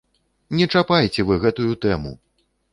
Не чапайце вы гэтую тэму!